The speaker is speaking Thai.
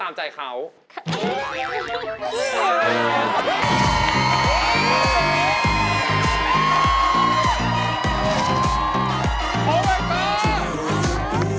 โอ้มายก๊อด